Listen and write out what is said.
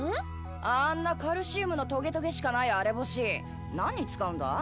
あんなカルシウムのトゲトゲしかない荒れ星何に使うんだ？